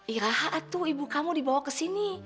iraha tuh ibu kamu dibawa ke sini